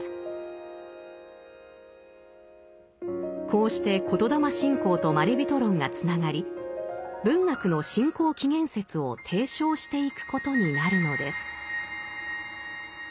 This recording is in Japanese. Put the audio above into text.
こうして言霊信仰とまれびと論がつながり文学の信仰起源説を提唱していくことになるのです。